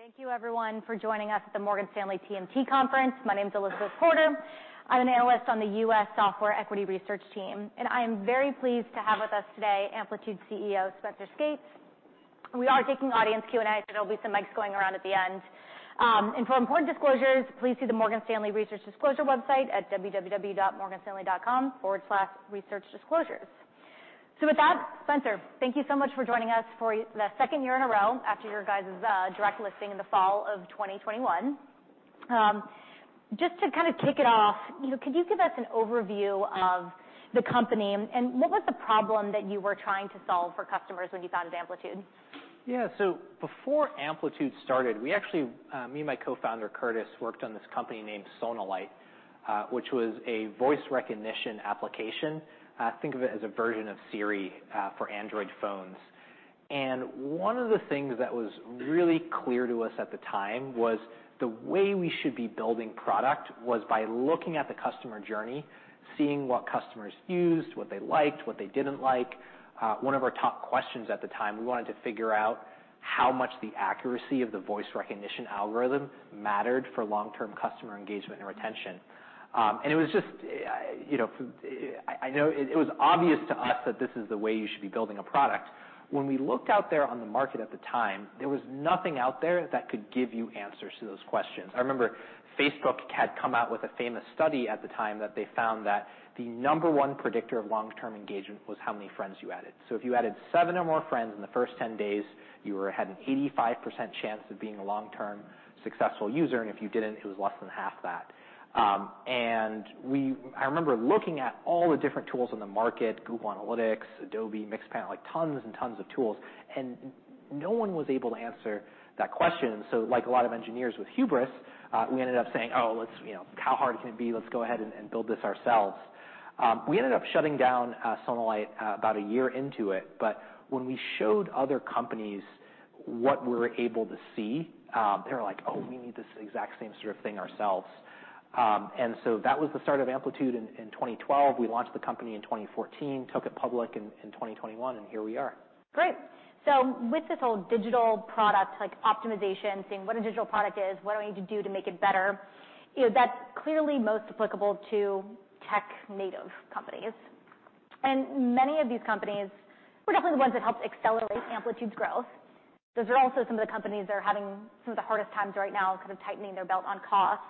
Thank you everyone for joining us at the Morgan Stanley TMT conference. My name's Elizabeth Porter. I'm an analyst on the U.S. Software Equity Research team. I am very pleased to have with us today Amplitude CEO, Spenser Skates. We are taking audience Q&A. There'll be some mics going around at the end. For important disclosures, please see the Morgan Stanley Research Disclosure website at www.morganstanley.com/researchdisclosures. With that, Spenser, thank you so much for joining us for the second year in a row after your guys' direct listing in the fall of 2021. Just to kind of kick it off, you know, could you give us an overview of the company and what was the problem that you were trying to solve for customers when you founded Amplitude? Yeah. Before Amplitude started, we actually, me and my co-founder, Curtis, worked on this company named Sonalight, which was a voice recognition application. Think of it as a version of Siri for Android phones. One of the things that was really clear to us at the time was the way we should be building product was by looking at the customer journey, seeing what customers used, what they liked, what they didn't like. One of our top questions at the time, we wanted to figure out how much the accuracy of the voice recognition algorithm mattered for long-term customer engagement and retention. It was just, you know, I know it was obvious to us that this is the way you should be building a product. When we looked out there on the market at the time, there was nothing out there that could give you answers to those questions. I remember Facebook had come out with a famous study at the time that they found that the number one predictor of long-term engagement was how many friends you added. If you added seven or more friends in the first 10 days, you had an 85% chance of being a long-term successful user, and if you didn't, it was less than half that, and I remember looking at all the different tools on the market, Google Analytics, Adobe, Mixpanel, like tons and tons of tools, no one was able to answer that question. Like a lot of engineers with hubris, we ended up saying, "Oh, let's, you know, how hard can it be? Let's go ahead and build this ourselves." We ended up shutting down Sonalight about a year into it, but when we showed other companies what we were able to see, they were like, "Oh, we need this exact same sort of thing ourselves." That was the start of Amplitude in 2012. We launched the company in 2014, took it public in 2021, and here we are. Great, so with this whole digital product, like optimization, seeing what a digital product is, what do I need to do to make it better, you know, that's clearly most applicable to tech native companies. Many of these companies were definitely the ones that helped accelerate Amplitude's growth. Those are also some of the companies that are having some of the hardest times right now kind of tightening their belt on costs.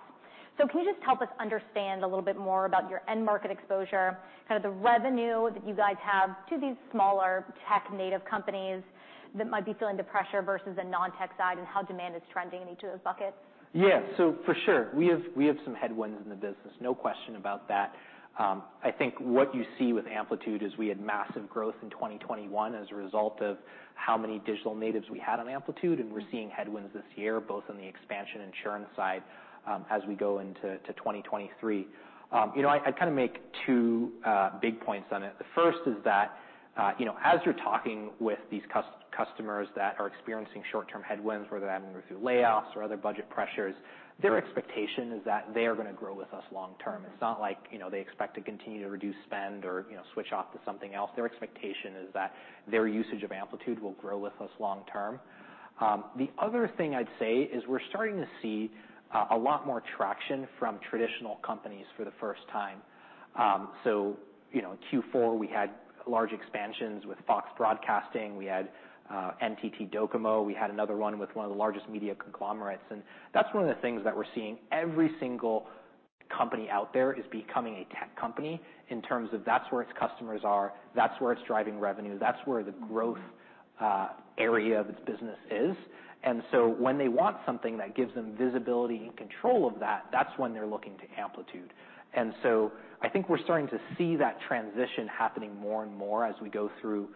Can you just help us understand a little bit more about your end market exposure, kind of the revenue that you guys have to these smaller tech native companies that might be feeling the pressure versus the non-tech side and how demand is trending in each of those buckets? For sure, we have some headwinds in the business. No question about that. I think what you see with Amplitude is we had massive growth in 2021 as a result of how many digital natives we had on Amplitude, and we're seeing headwinds this year, both on the expansion insurance side, as we go into 2023. You know, I kind of make two big points on it. The first is that, you know, as you're talking with these customers that are experiencing short-term headwinds, whether they're having to go through layoffs or other budget pressures, their expectation is that they are gonna grow with us long term. It's not like, you know, they expect to continue to reduce spend or, you know, switch off to something else. Their expectation is that their usage of Amplitude will grow with us long term. The other thing I'd say is we're starting to see a lot more traction from traditional companies for the first time. You know, Q4, we had large expansions with Fox Broadcasting. We had NTT Docomo, we had another one with one of the largest media conglomerates. That's one of the things that we're seeing. Every single company out there is becoming a tech company in terms of that's where its customers are, that's where it's driving revenue, that's where the growth- Mm-hmm... area of its business is, and so when they want something that gives them visibility and control of that's when they're looking to Amplitude, and so I think we're starting to see that transition happening more and more as we go through,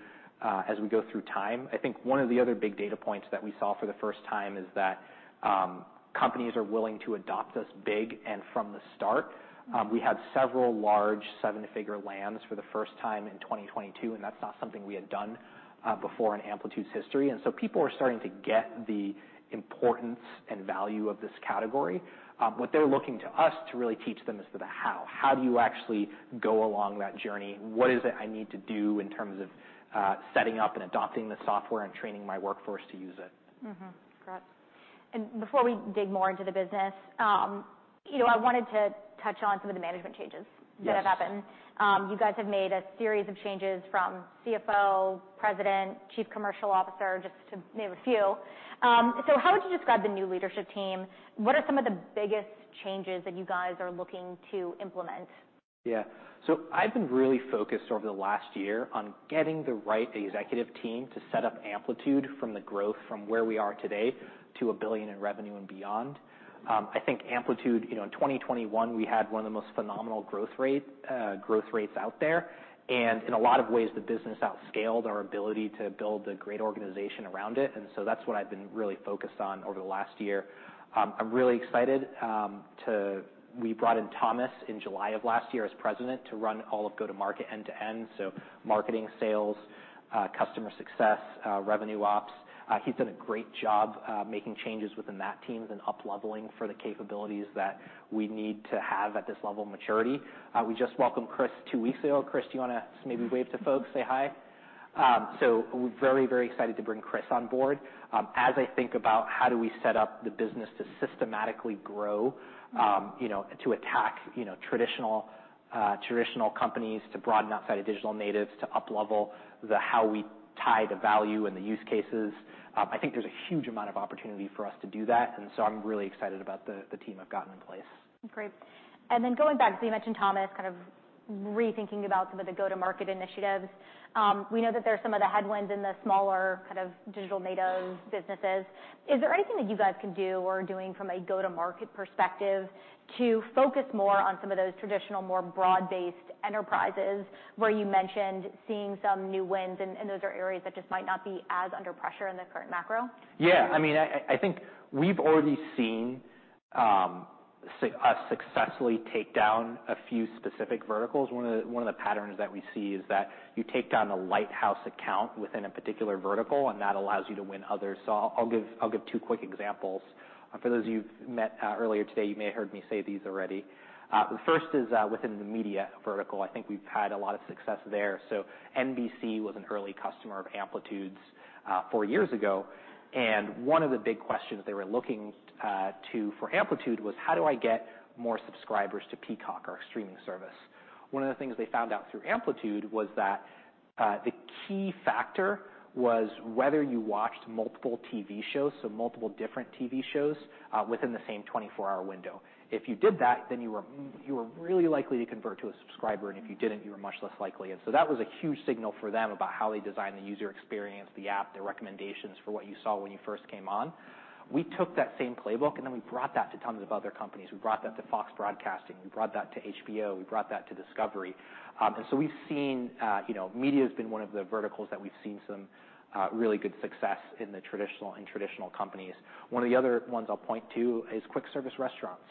as we go through time. I think one of the other big data points that we saw for the first time is that companies are willing to adopt us big and from the start. We had several large seven-figure lands for the first time in 2022, and that's not something we had done before in Amplitude's history. People are starting to get the importance and value of this category. What they're looking to us to really teach them is the how. How do you actually go along that journey? What is it I need to do in terms of setting up and adopting the software and training my workforce to use it? Mm-hmm. Got it. Before we dig more into the business, you know, I wanted to touch on some of the management changes- Yes ... that have happened. You guys have made a series of changes from CFO, president, chief commercial officer, just to name a few. How would you describe the new leadership team? What are some of the biggest changes that you guys are looking to implement? I've been really focused over the last year on getting the right executive team to set up Amplitude from the growth from where we are today to $1 billion in revenue and beyond. I think Amplitude, you know, in 2021, we had one of the most phenomenal growth rates out there. In a lot of ways, the business out-scaled our ability to build a great organization around it. That's what I've been really focused on over the last year. I'm really excited. We brought in Thomas in July of last year as President to run all of go-to-market end to end, so marketing, sales, customer success, revenue ops. He's done a great job making changes within that team and up-leveling for the capabilities that we need to have at this level of maturity. We just welcomed Chris two weeks ago. Chris, do you wanna maybe wave to folks, say hi? We're very, very excited to bring Chris on board. As I think about how do we set up the business to systematically grow, you know, to attack, you know, traditional companies, to broaden outside of digital natives, to up-level how we tie the value and the use cases, I think there's a huge amount of opportunity for us to do that. I'm really excited about the team I've gotten in place. Great. Going back, you mentioned Thomas kind of rethinking about some of the go-to-market initiatives. We know that there are some of the headwinds in the smaller kind of digital natives businesses. Is there anything that you guys can do or are doing from a go-to-market perspective to focus more on some of those traditional, more broad-based enterprises where you mentioned seeing some new wins and those are areas that just might not be as under pressure in the current macro? Yeah. I mean, I think we've already seen us successfully take down a few specific verticals. One of the patterns that we see is that you take down a lighthouse account within a particular vertical, and that allows you to win others. I'll give two quick examples. For those of you who've met earlier today, you may have heard me say these already. First is within the media vertical. I think we've had a lot of success there. NBC was an early customer of Amplitude's four years ago, and one of the big questions they were looking for Amplitude was: How do I get more subscribers to Peacock, our streaming service? One of the things they found out through Amplitude was that the key factor was whether you watched multiple TV shows, so multiple different TV shows within the same 24-hour window. If you did that, then you were really likely to convert to a subscriber, and if you didn't, you were much less likely. That was a huge signal for them about how they design the user experience, the app, their recommendations for what you saw when you first came on. We took that same playbook, we brought that to tons of other companies. We brought that to Fox Broadcasting. We brought that to HBO. We brought that to Discovery, so we've seen, you know, media's been one of the verticals that we've seen some really good success in the traditional companies. One of the other ones I'll point to is quick service restaurants.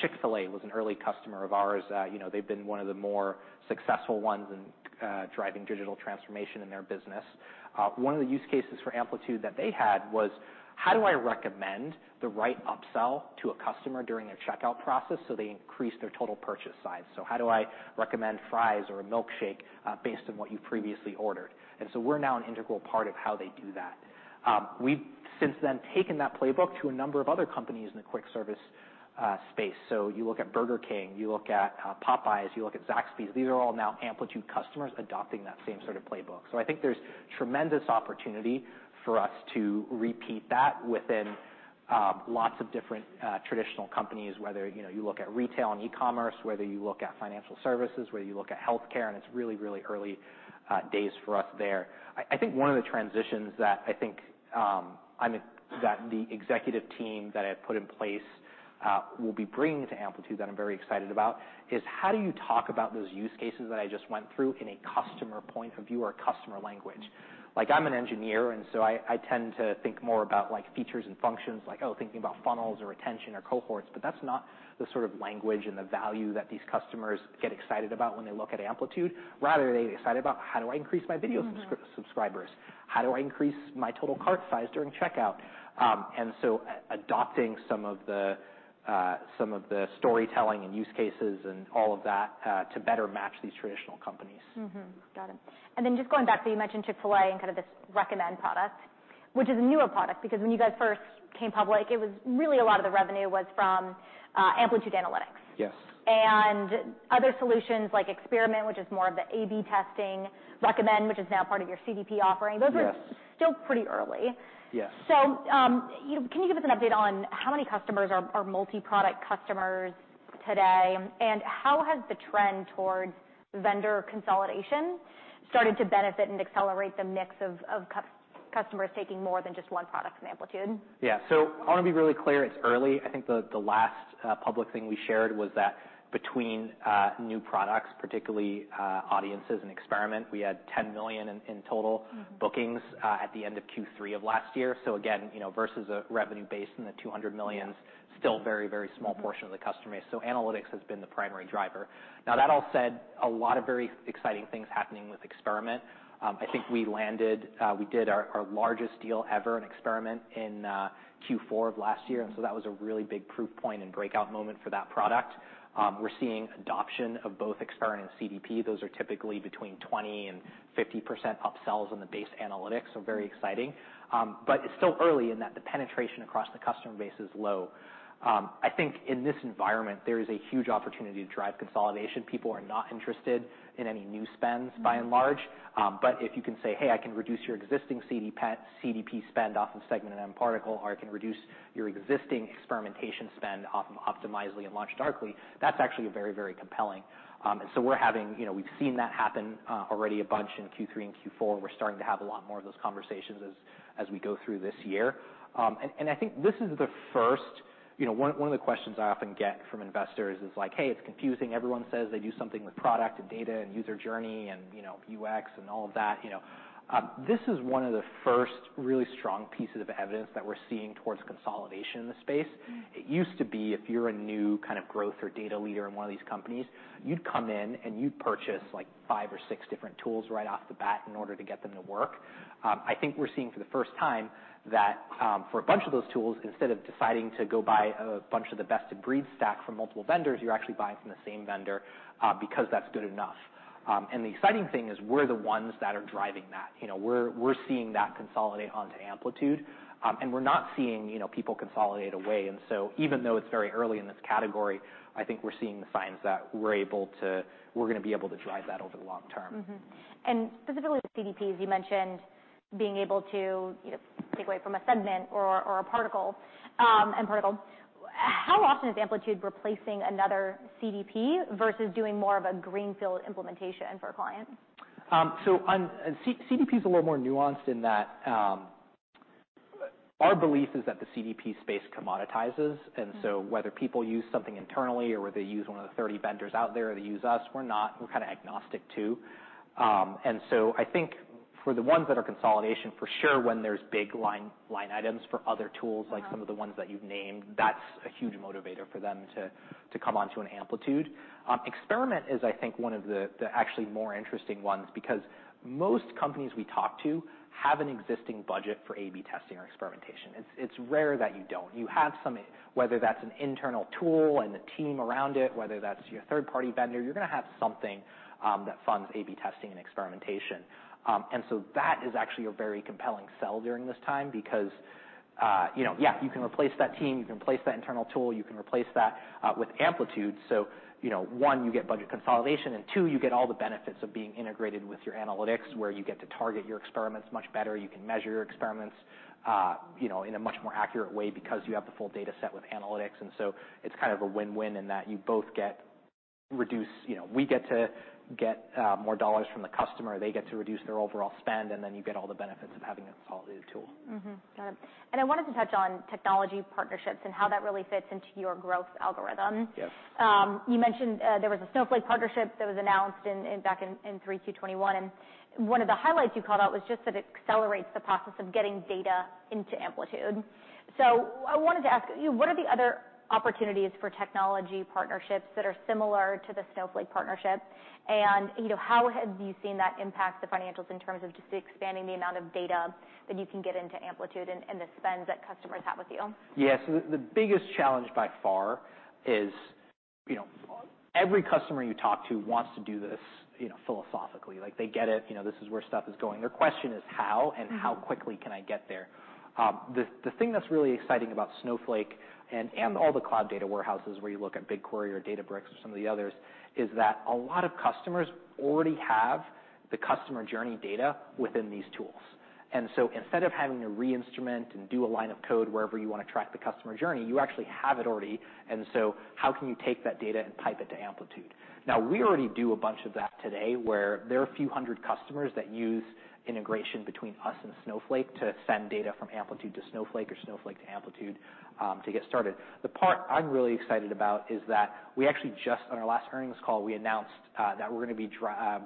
Chick-fil-A was an early customer of ours. You know, they've been one of the more successful ones in driving digital transformation in their business. One of the use cases for Amplitude that they had was: How do I recommend the right upsell to a customer during a checkout process so they increase their total purchase size? How do I recommend fries or a milkshake based on what you previously ordered? We're now an integral part of how they do that. We've since then taken that playbook to a number of other companies in the quick service space. You look at Burger King, you look at Popeyes, you look at Zaxby's. These are all now Amplitude customers adopting that same sort of playbook. I think there's tremendous opportunity for us to repeat that within lots of different traditional companies, whether, you know, you look at retail and e-commerce, whether you look at financial services, whether you look at healthcare. It's really, really early days for us there. I think one of the transitions that I think that the executive team that I've put in place will be bringing to Amplitude that I'm very excited about is: How do you talk about those use cases that I just went through in a customer point of view or customer language? Like, I'm an engineer, I tend to think more about, like, features and functions. Like, oh, thinking about funnels or retention or cohorts, but that's not the sort of language and the value that these customers get excited about when they look at Amplitude. Rather, they get excited about, "How do I increase my video subscribers? Mm-hmm. How do I increase my total cart size during checkout?" adopting some of the storytelling and use cases and all of that to better match these traditional companies. Mm-hmm. Got it. Just going back, so you mentioned Chick-fil-A and kind of this Recommend product, which is a newer product. When you guys first came public, it was really a lot of the revenue was from Amplitude Analytics. Yes. Other solutions like Experiment, which is more of the A/B testing. Recommend, which is now part of your CDP offering. Yes. Those are still pretty early. Yes. You know, can you give us an update on how many customers are multiproduct customers today, and how has the trend towards vendor consolidation started to benefit and accelerate the mix of customers taking more than just one product from Amplitude? I wanna be really clear, it's early. I think the last public thing we shared was that between new products, particularly Audiences and Experiment, we had $10 million in total- Mm-hmm... bookings at the end of Q3 of last year. Again, you know, versus a revenue base in the $200 million. Yeah... still very small portion. Mm-hmm... of the customer base. Analytics has been the primary driver. Now, that all said, a lot of very exciting things happening with Experiment. I think we landed, we did our largest deal ever in Experiment in Q4 of last year, and so that was a really big proof point and breakout moment for that product. We're seeing adoption of both Experiment and CDP. Those are typically between 20% and 50% upsells in the base Analytics, so very exciting. It's still early in that the penetration across the customer base is low. I think in this environment, there is a huge opportunity to drive consolidation. People are not interested in any new spends- Mm-hmm... by and large. If you can say, "Hey, I can reduce your existing CDP spend off of Segment and mParticle," or, "I can reduce your existing experimentation spend off of Optimizely and LaunchDarkly," that's actually very, very compelling. We're having, you know, we've seen that happen, already a bunch in Q3 and Q4. We're starting to have a lot more of those conversations as we go through this year. I think this is the first. You know, one of the questions I often get from investors is like, "Hey, it's confusing. Everyone says they do something with product and data and user journey and, you know, UX and all of that, you know?" This is one of the first really strong pieces of evidence that we're seeing towards consolidation in the space. Mm. It used to be, if you're a new kind of growth or data leader in one of these companies, you'd come in, and you'd purchase like five or six different tools right off the bat in order to get them to work. I think we're seeing for the first time that, for a bunch of those tools, instead of deciding to go buy a bunch of the best-of-breed stack from multiple vendors, you're actually buying from the same vendor, because that's good enough. The exciting thing is we're the ones that are driving that. You know, we're seeing that consolidate onto Amplitude, and we're not seeing, you know, people consolidate away. Even though it's very early in this category, I think we're seeing the signs that we're gonna be able to drive that over the long term. Specifically with CDPs, you mentioned being able to, you know, take away from a Segment or a Particle and. How often is Amplitude replacing another CDP versus doing more of a greenfield implementation for a client? CDP's a little more nuanced in that, our belief is that the CDP space commoditizes. Mm. Whether people use something internally or whether they use one of the 30 vendors out there or they use us, we're kind of agnostic, too. I think for the ones that are consolidation, for sure, when there's big line items for other tools. Uh-huh... like some of the ones that you've named, that's a huge motivator for them to come onto an Amplitude. Experiment is, I think, one of the actually more interesting ones because most companies we talk to have an existing budget for A/B testing or experimentation. It's rare that you don't. You have some, whether that's an internal tool and the team around it, whether that's your third-party vendor, you're gonna have something that funds A/B testing and experimentation. That is actually a very compelling sell during this time because, you know, yeah, you can replace that team, you can replace that internal tool, you can replace that with Amplitude, so, you know, one, you get budget consolidation, and two, you get all the benefits of being integrated with your analytics, where you get to target your experiments much better. You can measure your experiments, you know, in a much more accurate way because you have the full data set with analytics. It's kind of a win-win in that you both get reduce. You know, we get to get more dollars from the customer, they get to reduce their overall spend, and then you get all the benefits of having a consolidated tool. Got it. I wanted to touch on technology partnerships and how that really fits into your growth algorithm. Yes. You mentioned there was a Snowflake partnership that was announced in back in 3Q 2021, and one of the highlights you called out was just that it accelerates the process of getting data into Amplitude. I wanted to ask you, what are the other opportunities for technology partnerships that are similar to the Snowflake partnership? You know, how have you seen that impact the financials in terms of just expanding the amount of data that you can get into Amplitude and the spends that customers have with you? Yeah. The biggest challenge by far is, you know, every customer you talk to wants to do this, you know, philosophically. Like, they get it. You know, this is where stuff is going. Their question is, "How? Mm-hmm. How quickly can I get there? The thing that's really exciting about Snowflake and all the cloud data warehouses, where you look at BigQuery or Databricks or some of the others, is that a lot of customers already have the customer journey data within these tools. Instead of having to re-instrument and do a line of code wherever you wanna track the customer journey, you actually have it already. How can you take that data and pipe it to Amplitude? Now, we already do a bunch of that today, where there are a few hundred customers that use integration between us and Snowflake to send data from Amplitude to Snowflake or Snowflake to Amplitude to get started. The part I'm really excited about is that we actually just, on our last earnings call, we announced that we're gonna be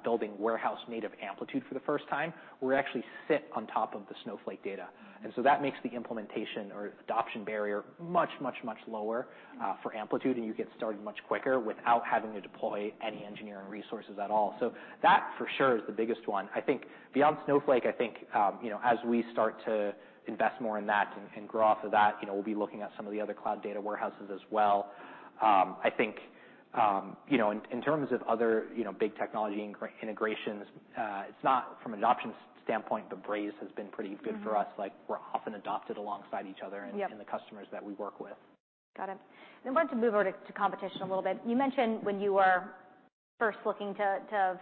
building Warehouse-native Amplitude for the first time, where we actually sit on top of the Snowflake data. Mm. That makes the implementation or adoption barrier much lower for Amplitude, and you get started much quicker without having to deploy any engineering resources at all. That, for sure, is the biggest one. I think beyond Snowflake, I think, you know, as we start to invest more in that and grow off of that, you know, we'll be looking at some of the other cloud data warehouses as well. I think, you know, in terms of other, you know big technology integrations, it's not from an adoption standpoint, but Braze has been pretty good for us. Mm-hmm. Like, we're often adopted alongside each other. Yep... and the customers that we work with. Got it. I want to move over to competition a little bit. You mentioned when you were first looking to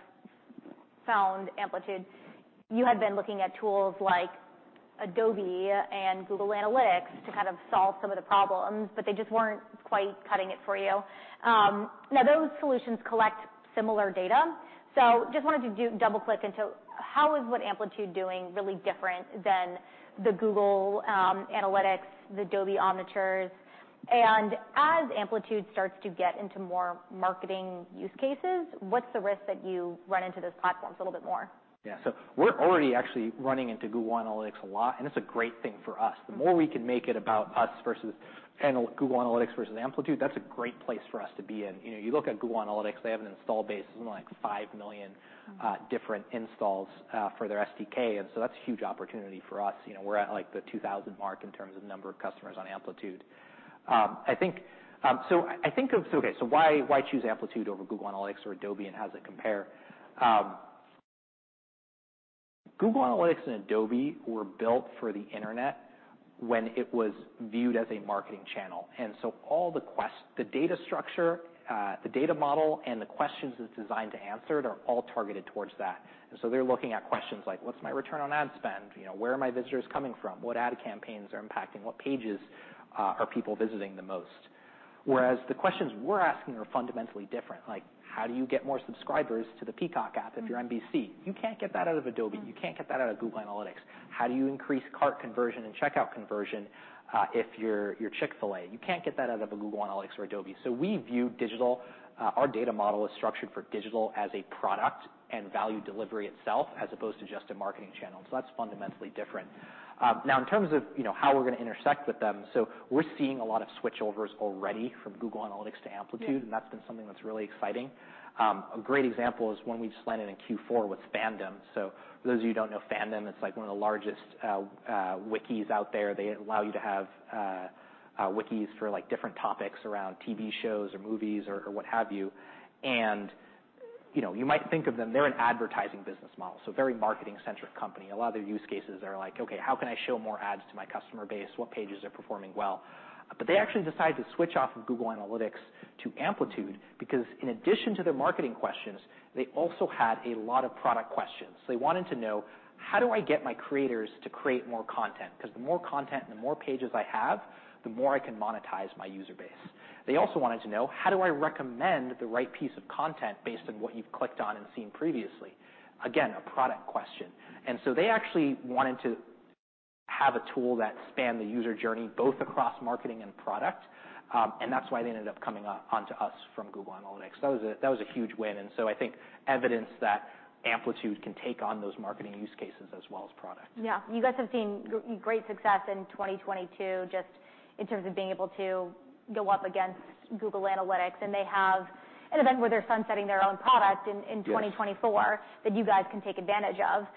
found Amplitude, you had been looking at tools like Adobe and Google Analytics to kind of solve some of the problems, but they just weren't quite cutting it for you. Now, those solutions collect similar data, so just wanted to do double-click into how is what Amplitude doing really different than the Google Analytics, the Adobe Omniture. As Amplitude starts to get into more marketing use cases, what's the risk that you run into those platforms a little bit more? Yeah. We're already actually running into Google Analytics a lot, and it's a great thing for us. Mm-hmm. The more we can make it about us versus Google Analytics versus Amplitude, that's a great place for us to be in. You know, you look at Google Analytics, they have an install base of something like 5 million. Mm... different installs for their SDK. That's a huge opportunity for us. You know, we're at, like, the 2,000 mark in terms of number of customers on Amplitude. I think, so I think of... Okay, why choose Amplitude over Google Analytics or Adobe, and how's it compare? Google Analytics and Adobe were built for the internet when it was viewed as a marketing channel. All the data structure, the data model, and the questions it's designed to answer are all targeted towards that. They're looking at questions like, "What's my return on ad spend?" You know, "Where are my visitors coming from? What ad campaigns are impacting? What pages are people visiting the most? The questions we're asking are fundamentally different, like how do you get more subscribers to the Peacock app if you're NBC? You can't get that out of Adobe. You can't get that out of Google Analytics. How do you increase cart conversion and checkout conversion if you're Chick-fil-A? You can't get that out of a Google Analytics or Adobe. We view digital, our data model is structured for digital as a product and value delivery itself as opposed to just a marketing channel. That's fundamentally different. Now in terms of, you know, how we're gonna intersect with them, We're seeing a lot of switch overs already from Google Analytics to Amplitude. Yeah. That's been something that's really exciting. A great example is one we just landed in Q4 with Fandom. For those of you who don't know Fandom, it's like one of the largest wikis out there. They allow you to have wikis for like different topics around TV shows or movies or what have you. You know, you might think of them, they're an advertising business model, so very marketing-centric company. A lot of their use cases are like, "Okay, how can I show more ads to my customer base? What pages are performing well?" They actually decided to switch off of Google Analytics to Amplitude because in addition to their marketing questions, they also had a lot of product questions. They wanted to know, "How do I get my creators to create more content? 'Cause the more content and the more pages I have, the more I can monetize my user base." They also wanted to know, "How do I recommend the right piece of content based on what you've clicked on and seen previously?" Again, a product question. They actually wanted to have a tool that spanned the user journey, both across marketing and product. That's why they ended up coming on to us from Google Analytics. That was a, that was a huge win. I think evidence that Amplitude can take on those marketing use cases as well as product. Yeah. You guys have seen great success in 2022 just in terms of being able to go up against Google Analytics, and they have an event where they're sunsetting their own product in. Yes... 2024 that you guys can take advantage of.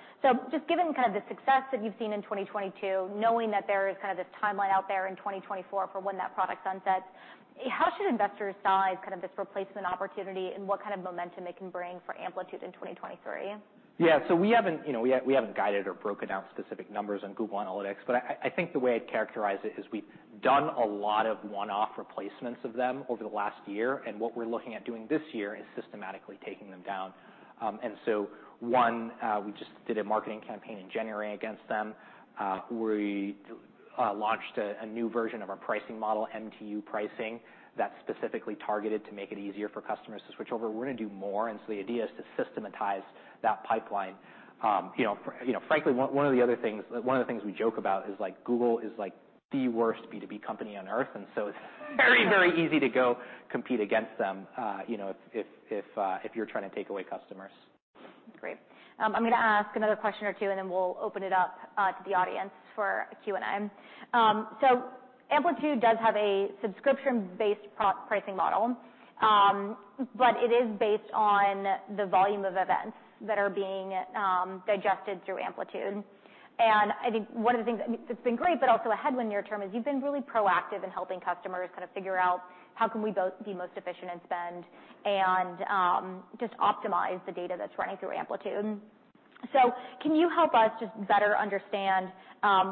Just given kind of the success that you've seen in 2022, knowing that there is kind of this timeline out there in 2024 for when that product sunsets, how should investors size kind of this replacement opportunity and what kind of momentum it can bring for Amplitude in 2023? Yeah. We haven't, you know, we haven't guided or broken out specific numbers on Google Analytics, but I think the way I'd characterize it is we've done a lot of one-off replacements of them over the last year, and what we're looking at doing this year is systematically taking them down. One, we just did a marketing campaign in January against them. We launched a new version of our pricing model, MTU pricing, that specifically targeted to make it easier for customers to switch over. We're gonna do more. The idea is to systematize that pipeline. You know, for, you know, frankly, one of the other things, one of the things we joke about is, like, Google is, like, the worst B2B company on Earth. It's very, very easy to go compete against them, you know, if you're trying to take away customers. Great. I'm gonna ask another question or two, and then we'll open it up to the audience for a Q&A. Amplitude does have a subscription-based pro- pricing model. It is based on the volume of events that are being digested through Amplitude. I think one of the things that's been great but also a headwind near term is you've been really proactive in helping customers kind of figure out, how can we both be most efficient in spend and just optimize the data that's running through Amplitude? Can you help us just better understand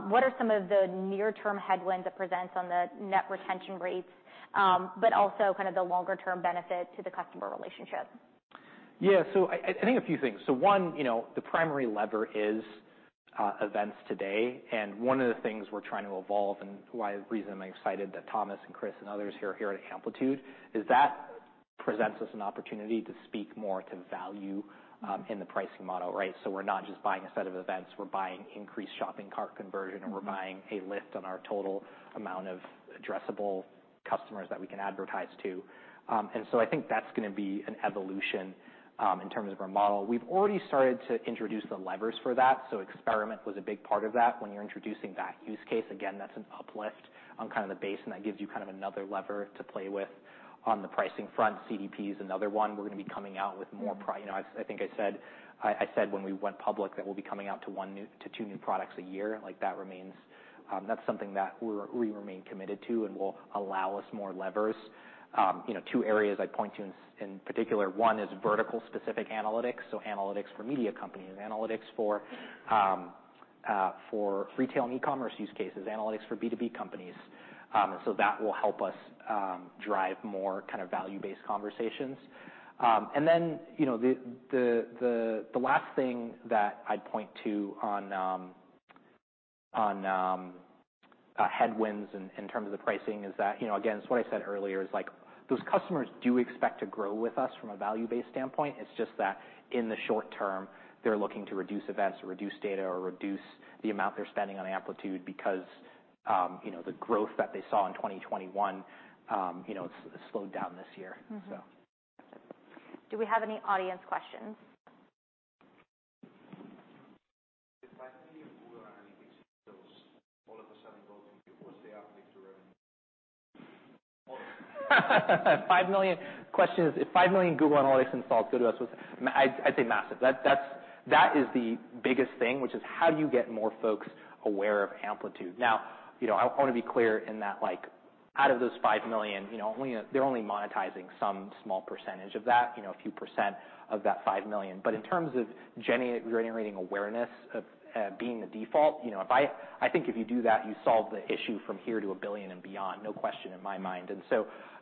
what are some of the near-term headwinds it presents on the net retention rates, but also kind of the longer term benefit to the customer relationship? Yeah. I think a few things. One, you know, the primary lever is events today, and one of the things we're trying to evolve and why, the reason I'm excited that Thomas and Chris and others here are here at Amplitude is that presents us an opportunity to speak more to value in the pricing model, right? We're not just buying a set of events. We're buying increased shopping cart conversion- Mm-hmm... or we're buying a lift on our total amount of addressable customers that we can advertise to. I think that's gonna be an evolution, in terms of our model. We've already started to introduce the levers for that, so Experiment was a big part of that. When you're introducing that use case again, that's an uplift on kind of the base, and that gives you kind of another lever to play with on the pricing front. CDP is another one. We're gonna be coming out with more. Mm-hmm. You know, I think I said, I said when we went public that we'll be coming out to two new products a year. Like that remains, that's something that we remain committed to and will allow us more levers. You know, two areas I'd point to in particular, one is vertical specific analytics, so analytics for media companies, analytics for retail and e-commerce use cases, analytics for B2B companies. So that will help us drive more kind of value-based conversations. Then, you know, the last thing that I'd point to on headwinds in terms of the pricing is that, you know, again, it's what I said earlier is, like, those customers do expect to grow with us from a value-based standpoint. It's just that in the short term, they're looking to reduce events or reduce data or reduce the amount they're spending on Amplitude because, you know, the growth that they saw in 2021, you know, it's slowed down this year. Mm-hmm. So. Do we have any audience questions? If 5 million Google Analytics installs all of a sudden go to you, what's the 5 million. Question is, if 5 million Google Analytics installs go to us, I'd say massive. That's the biggest thing, which is how do you get more folks aware of Amplitude? You know, I wanna be clear in that, like, out of those 5 million, you know, they're only monetizing some small percentage of that, you know, a few % of that 5 million. In terms of generating awareness of being the default, you know, I think if you do that, you solve the issue from here to $1 billion and beyond, no question in my mind.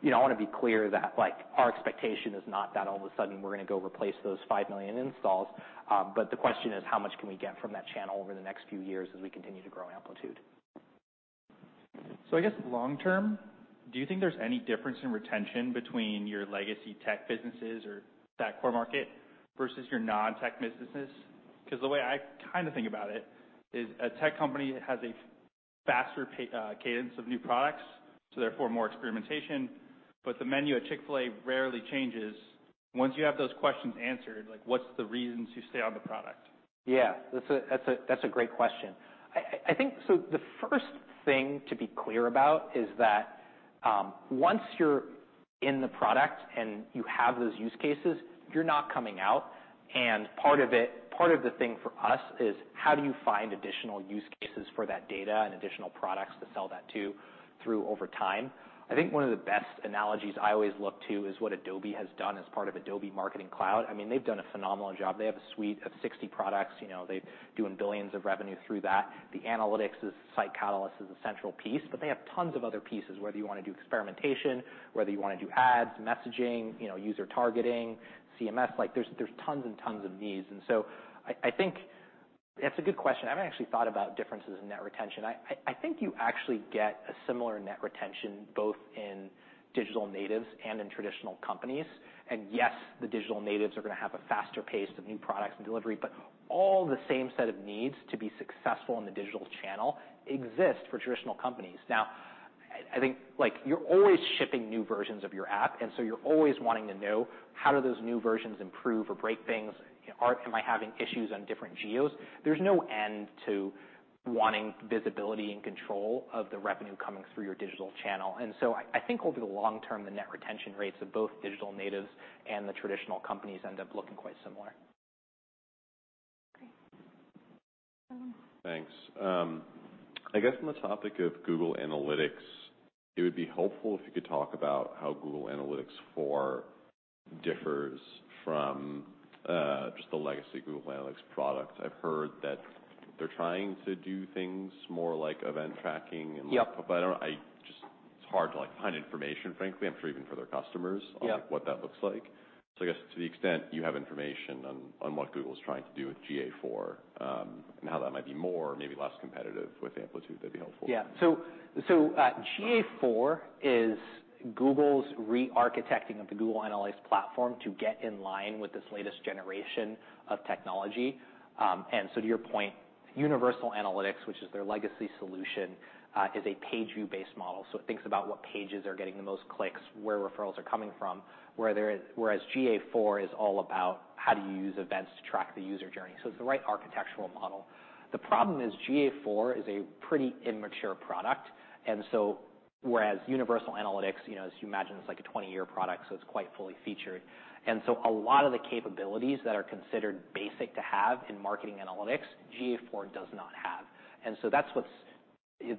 You know, I wanna be clear that, like, our expectation is not that all of a sudden we're gonna go replace those 5 million installs. The question is, how much can we get from that channel over the next few years as we continue to grow Amplitude? I guess long term, do you think there's any difference in retention between your legacy tech businesses or that core market versus your non-tech businesses? 'Cause the way I kinda think about it is a tech company has a faster cadence of new products, so therefore more experimentation. But the menu at Chick-fil-A rarely changes. Once you have those questions answered, like what's the reasons you stay on the product? Yeah. That's a great question. I think. The first thing to be clear about is that once you're in the product and you have those use cases, you're not coming out. Part of the thing for us is how do you find additional use cases for that data and additional products to sell that to through over time? I think one of the best analogies I always look to is what Adobe has done as part of Adobe Marketing Cloud. I mean, they've done a phenomenal job. They have a suite of 60 products. You know, they're doing billions of revenue through that. Site Catalyst is a central piece, but they have tons of other pieces, whether you wanna do experimentation, whether you wanna do ads, messaging, you know, user targeting, CMS. Like there's tons and tons of needs. I think that's a good question. I haven't actually thought about differences in net retention. I think you actually get a similar net retention both in digital natives and in traditional companies. Yes, the digital natives are gonna have a faster pace of new products and delivery, but all the same set of needs to be successful in the digital channel exist for traditional companies. Now, I think, like you're always shipping new versions of your app, you're always wanting to know how do those new versions improve or break things? Am I having issues on different geos? There's no end to wanting visibility and control of the revenue coming through your digital channel. I think over the long term, the net retention rates of both digital natives and the traditional companies end up looking quite similar. Great. Thanks. I guess on the topic of Google Analytics, it would be helpful if you could talk about how Google Analytics 4 differs from just the legacy Google Analytics product. I've heard that they're trying to do things more like event tracking. Yeah. It's hard to like, find information, frankly, I'm sure even for their customers. Yeah. on like what that looks like. I guess to the extent you have information on what Google's trying to do with GA4, and how that might be more or maybe less competitive with Amplitude, that'd be helpful. Yeah. GA4 is Google's re-architecting of the Google Analytics platform to get in line with this latest generation of technology. To your point, Universal Analytics, which is their legacy solution, is a pageview-based model, so it thinks about what pages are getting the most clicks, where referrals are coming from, whereas GA4 is all about how do you use events to track the user journey. It's the right architectural model. The problem is, GA4 is a pretty immature product, whereas Universal Analytics, you know, as you imagine, is like a 20-year product, so it's quite fully featured. A lot of the capabilities that are considered basic to have in marketing analytics, GA4 does not have. That's what's...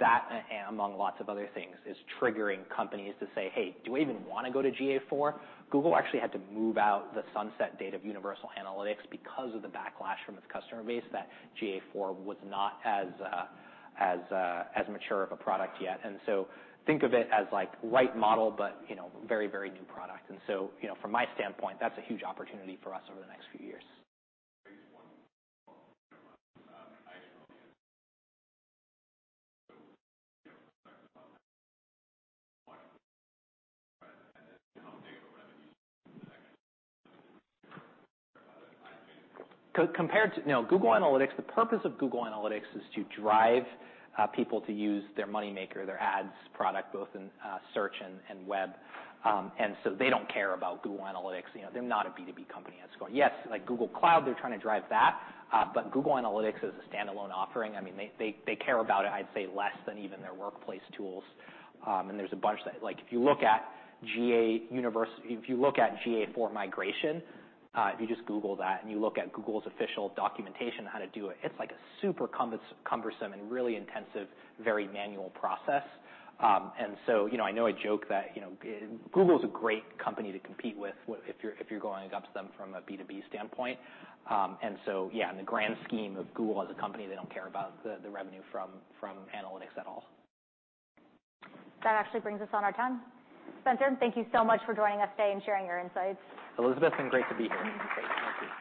That, among lots of other things, is triggering companies to say, "Hey, do we even wanna go to GA4?" Google actually had to move out the sunset date of Universal Analytics because of the backlash from its customer base that GA4 was not as mature of a product yet. Think of it as like right model, but you know, very, very new product. You know, from my standpoint, that's a huge opportunity for us over the next few years. I just wonder, I Compared to... No, Google Analytics, the purpose of Google Analytics is to drive people to use their moneymaker, their ads product, both in search and web, and so they don't care about Google Analytics. You know, they're not a B2B company that's going. Yes, like Google Cloud, they're trying to drive that. Google Analytics as a standalone offering, I mean, they care about it, I'd say, less than even their workplace tools. There's a bunch that. Like, if you look at GA Universal. If you look at GA4 migration, if you just Google that and you look at Google's official documentation on how to do it's like a super cumbersome and really intensive, very manual process. You know I know I joke that, you know, Google's a great company to compete with if you're going up to them from a B2B standpoint, and so yeah, in the grand scheme of Google as a company, they don't care about the revenue from analytics at all. That actually brings us on our time. Spenser, thank you so much for joining us today and sharing your insights. Elizabeth, been great to be here. Great. Thank you.